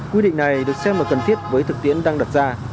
quy định này được xem là cần thiết với thực tiễn đang đặt ra